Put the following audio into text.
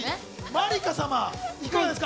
まりか様、いかがですか？